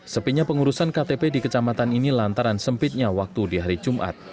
sepinya pengurusan ktp di kecamatan ini lantaran sempitnya waktu di hari jumat